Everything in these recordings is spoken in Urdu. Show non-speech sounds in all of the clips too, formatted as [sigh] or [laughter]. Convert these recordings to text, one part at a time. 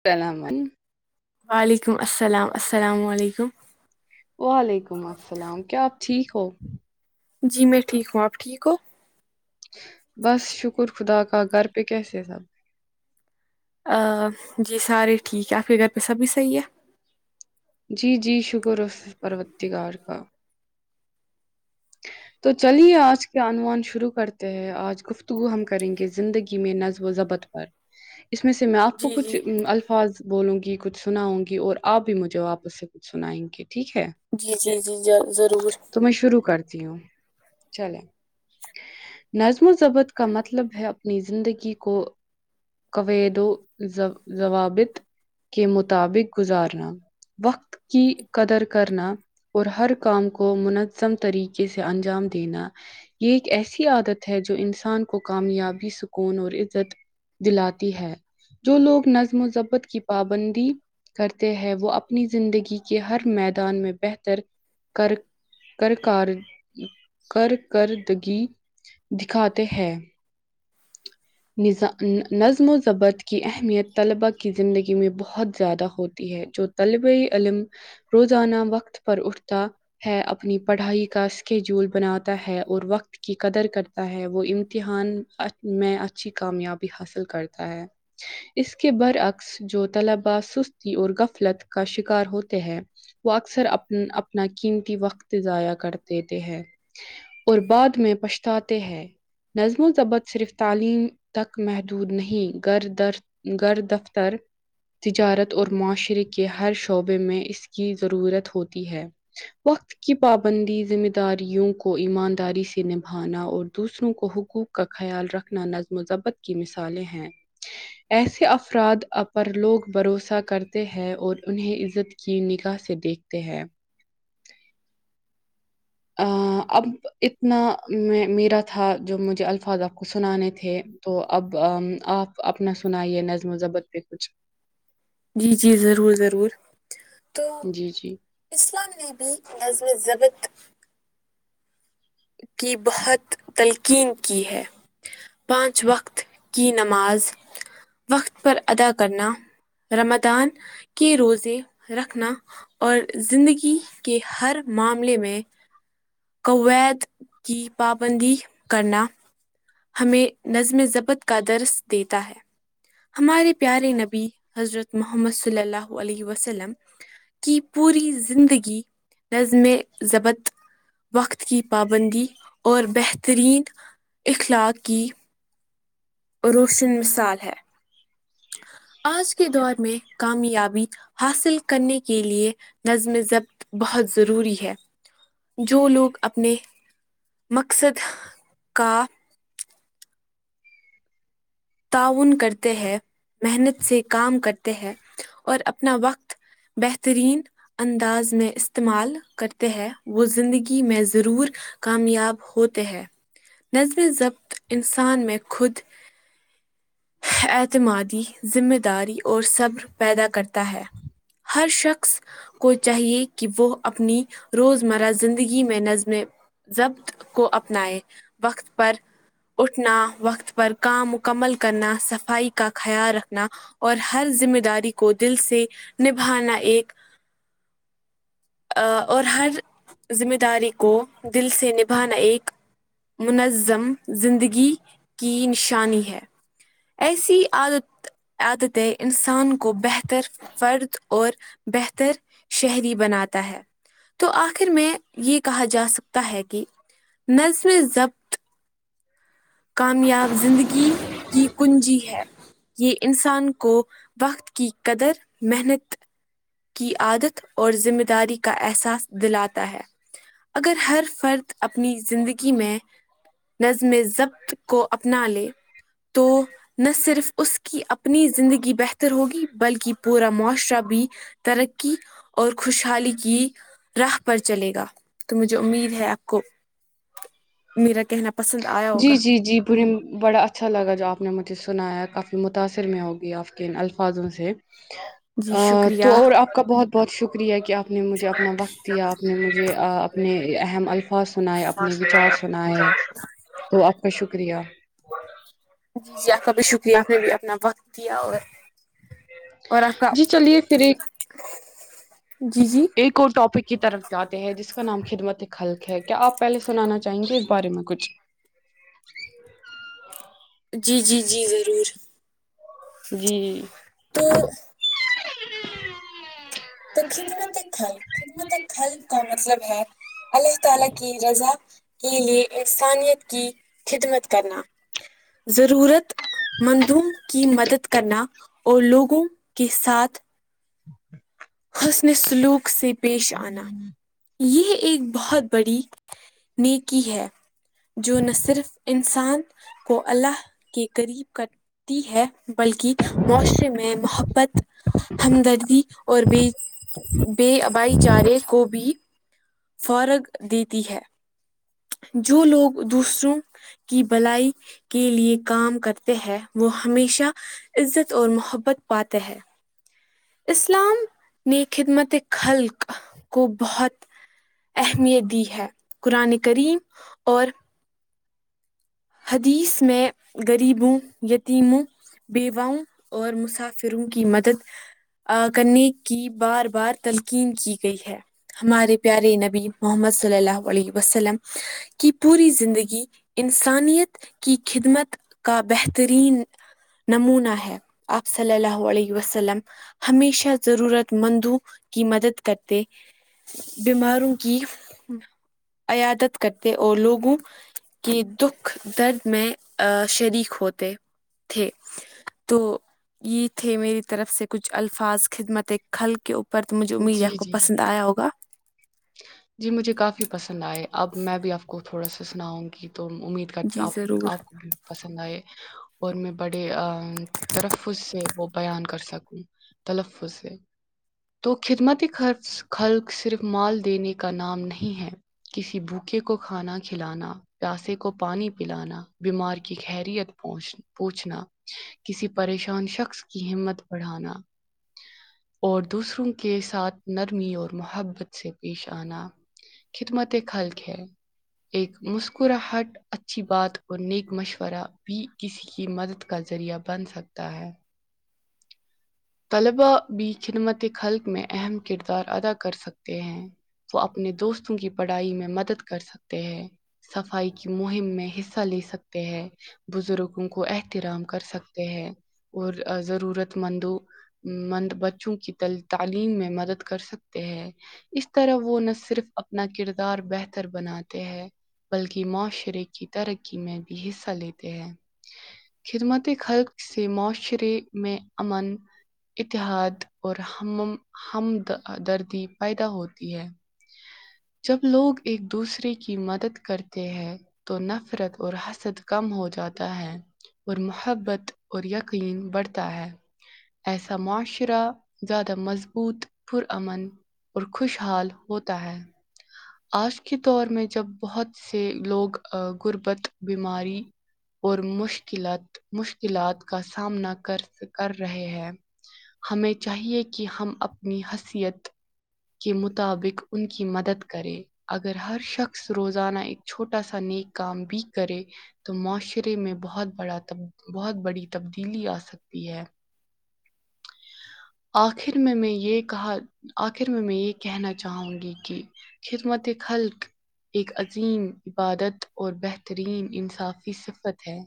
اسلام علیکم وعلیکم السلام السلام علیکم وعلیکم السلام کیا آپ ٹھیک ہو جی میں ٹھیک ہوں آپ ٹھیک ہو بس شکر خدا کا گھر پہ کیسے ہے سب جی سارے ٹھیک ہے آپ کے گھر پہ سبھی صحیح ہے جی جی شکر پروردگار کا تو چلیے آج کے عنوان شروع کرتے ہیں آج گفتگو ہم کریں گے زندگی میں نظم و ضبط پر اس میں سے میں آپ کو جی جی کچھ الفاظ بولوں گی کچھ سناؤں گی اور آپ بھی مجھے آپ سے کچھ سنائیں گے ٹھیک ہے جی جی جی ج- ضرور تو میں شروع کرتی ہوں چلیں نظم و ضبط کا مطلب ہے اپنی زندگی کو کوود و ضوابط کے مطابق گزارنا وقت کی قدر کرنا اور ہر کام کو منظم طریقے سے انجام دینا یہ ایک ایسی عادت ہے جو انسان کو کامیابی سکون اور عزت دلاتی ہے جو لوگ نظم و ذبط کی پابندی کرتے ہیں وہ اپ نی زندگی کے ہر میدان میں بہتر کر کر کار کر کردگی دیکھاتے ہیں نظا نظم و ضبط کی اہمیت طلبا کی زندگی میں بہت زیادہ ہوتی ہے جو طلب علم روزانہ وقت پر اٹھتا ہے اپنی پڑھائی کا اسکیڈول بناتا ہے اور وقت کی قدر کرتا ہے وہ امتحان میں اچھی کامیابی حاصل کرتا ہے اس کے برعکس جو طلباء سستی اور غفلت کا شکار ہوتے ہیں وہ اکثر اپنا اپنا قیمتی وقت ضائع کر دیتے ہیں اور بعد میں پچهتاتے ہیں نظم و ضبط صرف تعلیم تک محدود نہیں گر درد گر دفتر تجارت اور معاشرے کے ہر شعبے میں اس کی ضرورت ہوتی ہے وقت کی پابندی ذمہ داریوں کو ایمانداری سے نبھانا اور دوسروں کو حقوق کا خیال رکھنا نظم و ذبت کی مثالیں ہیں ایسے افراد ا پر لوگ بھروسہ کرتے ہیں ہے اور انہیں عزت کی نگاح سے دیکھتے ہیں ا اب اتنا میں میرا تھا جو مجھے الفاظ آپ کو سنانے تھے تو اب آپ اپنا سنائیے نظم و ضبط پہ کچھ جی جی ضرور ضرور تو جی، جی۔ اسلام نے بھی نظم ضبط کی بہت تلقین کی ہے پانچ وقت کی نماز وقت پر ادا کرنا رمدان کے روزے رکھنا اور زندگی کے ہر معاملے میں کویت کی پابندی کرنا ہمیں نظم ضبط کا درس دیتا ہے ہمارے پیارے نبی حضرت محمد صلی اللہ علیہ وسلم کی پوری زندگی نظم میں ضبط وقت کی پابندی اور بہترین اخلاق کی روشن مثال ہے آج کے دور میں کامیابی حاصل کرنے کے لے نظم ضبط بہت ضروری ہے جو لوگ اپنے مقصد کا تعاون کرتے ہیں محنت سے کام کرتے ہیں اور اپنا وقت بہترین انداز میں استعمال کرتے ہیں وہ زندگی میں ضرور کامیاب ہوتے ہیں نظمیں ضبط انسان میں خود اعتمادی ذمہ داری اور صبر پیدا کرتا ہے ہر شخص کو چاہیے کہ وہ اپنی روزمرہ زندگی میں نظمیں ضبط کو اپنائے وقت پر اٹھنا وقت پر کام مکمل کرنا صفائی کا خیال رکھنا اور ہر ذمہ داری کو دل سے نبھانا ایک ا اور ہر ذمہ داری کو دل سے نبھانا ایک منظم زندگی کی نشانی ہے ایسی عادت عادتیں انسان کو بہتر فرد اور بہتر شہری بناتا ہے تو آخر میں یہ کہا جا سکتا ہے کہ نظم ضبط کامیاب زندگی کی کنجی ہے یہ انسان کو وقت کی قدر محنت کی عادت اور ذمہ داری کا احساس دلاتا ہے اگر ہر فرد اپنی زندگی میں نظم ضبط کو اپنا تو نہ صرف اس کی اپنی زندگی بہتر ہوگی بلکہ پورا معاشرہ بھی ترقی اور خوشحالی کی راہ پر چلے گا تو مجھے امید ہے آپ کو میرا کہنا پسند آیا ہوگا پے بڑا اچھا لگا جو آپ نے مجھے سنایا کافی متاثر میں ہوگی آپ کے ان الفاظوں سے جی ا شکریہ تو اور آپ آ کا بہت بہت شکریہ کہ آپ نے مجھے اپنا وقت دیا آپ نے مجھے اپنے اہم الفاظ سن اپ اور نے وچار سنائے اپنے سنا ہے وچار تو آپ کا شکریہ جی جی آپ کا بھی شکریہ آپ نے بھی اپنا وقت دیا اور اور آپ کا جی چلیے پھر ایک جی جی ایک ٹاپک کی طرف جاتے ہیں جس کا نام خدمت خلق کیا آپ پہلے سنانا چاہیں گے اس بارے میں کچھ جی جی جی ضرور جی تو [unintelligible] خدمت خلق کا مطلب ہے اللہ تعالی کی رضا کے لیے انسانیت کی خدمت کرنا ضرورت مندو کی مدد کرنا اور لوگوں کے ساتھ ہ حسن سلوک سے پیش آنا یہ ایک بہت بڑی نیکی ہے جو نہ صرف انسان کو اللہ کے قریب کرتی ہے بلکہ معاشرے میں محبت ہمدردی اور بے بےبھائی چارے کو بھی فوروغ دیتی ہے جو لوگ دوسروں کی بلائی کے لیے کام کرتے ہیں وہ ہمیشہ عزت اور محبت پاتے ہیں اسلام نے خدمت خلق کو بہت اہمیت دی ہے قرآن کریم اور حدیث میں غریبوں یتیموں بیواں اور مسافروں کی مدد کرنے کی بار بار تلقین کی گئی ہے ہمارے پیارے نبی محمد صلی اللہ علیہ وسلم کی پوری زندگی انسانیت کی خدمت کا بہترین نمونہ ہے آپ صلی اللہ علیہ وسلم ہمیشہ ضرورت مندوں کی مدد کرتے بیماروں کی عیادت کرتے اور لوگوں کی دکھ درد میں ا شریک ہوتے تھے تو یہ تھے میری طرف سے کچھ الفاظ خدمت کھل کے اوپر پر تو مجھے امید جی آپ کو جی پسند آیا ہوگا جی مجھے کافی پسند آئے اب میں بھی آپ کو تھوڑا سا سناؤں گی تو امید کرتی جی آپ کی ضرور آپ کو بھی پسند آئے اور میں بڑے ترف سے وہ بیان کر سکوں تلفظ سے تو خدمتی خرف خلق صرف مال دینے کا نام نہیں ہے کسی بھوکے کو کھانا کھلانا پاسے کو پانی پلانا بیمار کی خیریت پوچھنا پوچھنا کسی پریشان شخص کی ہمت بڑھانا اور دوسروں کے ساتھ نرمی اور محبت سے پیش آنا خدمت ایک حلق ہے ایک مسکراہٹ اچھی بات اور نیک مشورہ بھی کسی کی مدد کا ذریعہ بن سکتا ہے طلباء بھی خدمت حلق میں اہم کردار ادا کر سکتے ہیں وہ اپنے دوستوں کی پڑھائی میں مدد کر سکتے ہیں صفائی کی مہم میں حصہ لے سکتے ہیں بزرگوں کو احترام کر سکتے ہیں اور ضرورت مندوں مند بچوں کی تل تعلیم میں مدد کر سکتے ہیں اس طرح وہ نہ صرف اپنا کردار بہتر بناتے ہیں بلک معاشرے کی ترقی میں بھی حصہ لیتے ہیں خدمت خلق سے معاشرے میں امن اتحاد اور ہمم مم ہمدردی پیدا ہوتی ہے جب لوگ ایک دوسرے کی مدد کرتے ہیں تو نفرت اور حسد کم ہو جاتا ہے اور محبت اور یقین بڑھتا ہے ایسا معاشرہ زیادہ مضبوط پر آمن اور خوشحال ہوتا ہے آج کے دور میں جب بہت سے لوگ غربت بیماری اور مشکلات مشکلات کا سامنا کر کر رہے ہیں ہمیں چاہیے کہ ہم اپنی حثیت کے مطابق ان کی مدد کرے اگر ہر شخص روزانہ ایک چھوٹا سا نیک کام بھی کرے تو معاشرے میں بہت بڑا بہت بڑی تبدیلی آسکتی ہے آخر میں میں یہ کہا آخر میں میں یہ کہنا چاہوں گی کہ خدمت خلق ایک عظیم عبادت اور بہترین انصافی صفت ہے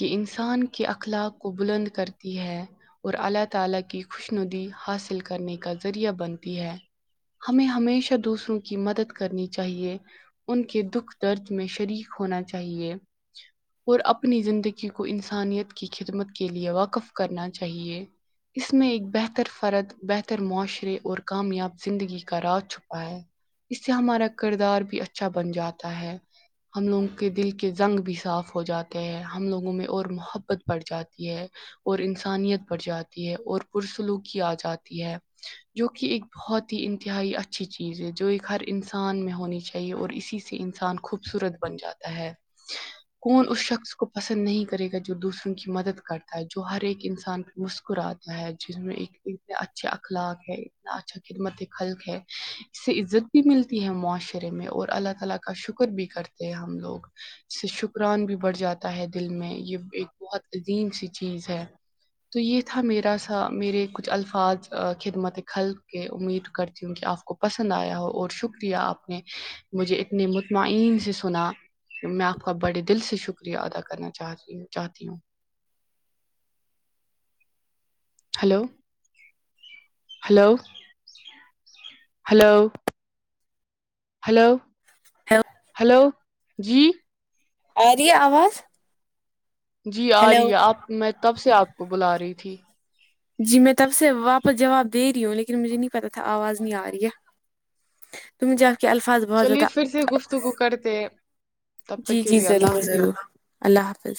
یہ انسان کے اخلاق کو بلند کرتی ہے اور اللہ تعالی کی خوش ندی حاصل کرنے کا ذریعہ بنتی ہے ہمیں ہمیشہ دوسروں کی مدد کرنی چاہیے ان کے دکھ درد میں شریک ہونا چاہیے اور اپنی زندگی کو انسانیت کی خدمت کے لیے واقف کرنا چاہیے اس میں ایک بہتر فرد بہتر معاشر رے اور کامیاب زندگی کا راز چھپا ہے اس سے ہمارا کردار بھی اچھا بن جاتا ہے ہم لوگوں کے دل کے زنگ بھی صاف ہو جاتے ہیں ہم لوگوں میں اور محبت بڑھ جاتی ہے اور انسانیت بڑھ جاتی ہے اور پرسلوکی آ جاتی ہے جو کی ایک بہت ہی انتہائی اچھی چیز ہے جو ایک ہر انسان میں ہونی چاہیے اور اسی سے انسان کو خوبصورت بن جاتا ہے کون اس شخص کو پسند نہیں کرے گا جو دوسروں کی مدد کرتا ہے جو ہر ایک انسان کی مسکرات جن ایک اتنے اچھا اخلاق ہے اتنا اچھا خدمت خلق ہے اس سے عزت بھی ملتی ہے معاشرے میں اور اللہ تعالی کا شکر بھی کرتے ہیں ہم لوگ سے شکران بھی بڑھ جاتا ہے دل میں یہ ایک بہت عظیم سی چیز ہے تو یہ تھا میرا سا میرے کچھ الفاظ خدمت خلق کے امید کرتی ہوں کہ آپ کو پسند آیا ہو اور شکریہ آپ نے مجھے اتنے مطمئن سے سنا میں آپ کا بڑے دل سے شکریہ ادا کرنا چاہ رہی ہو چاہتی ہوں hello hello hello hello hello جی آ رہی ہے اواز جی آ رہی ہیلو ہے آپ میں تب سے آپ کو بلا رہی تھی جی میں تب سے واپس جواب دے رہی ہوں لیکن مجھے نہیں پتاہ تھا آواز نہیں آ رہی ہے تم جا کے الفاظ بہت چلیے زیادہ پھر سے گفتگو کرتے ہیں تب تک جی کے جی لیے اللہ ضرور حافظ ضرور اللہ حافظ